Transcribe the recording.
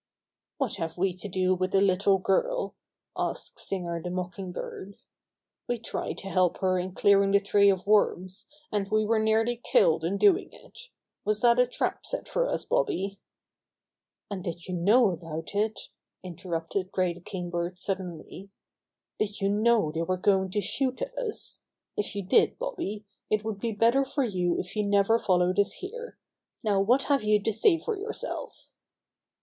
"What have we to do with the little girl?'* asked Singer the Mocking Bird. "We tried to help her in clearing the tree of worms, and we were nearly killed in doing it. Was that a trap set for us, Bobby?" "And did you know about it?" interrupted Gray the Kingbird suddenly. "Did you know they were going to shoot at us? If you did, Bobby, it would be better for you if you never followed us here. Now what have you to say for yourself